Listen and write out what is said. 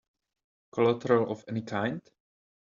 Collateral of any kind?